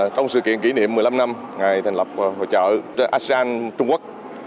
trong sự kiện kỷ niệm một mươi năm năm ngày thành lập hội trợ asean trung quốc